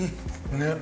ねっ。